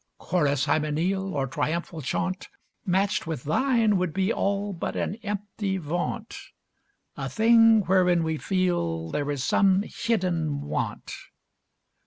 Chorus hymeneal Or triumphal chaunt, Match'd with thine, would be all But an empty vaunt A thing wherein we feel there is some hidden want.